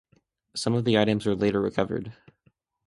Some of the items were later recovered.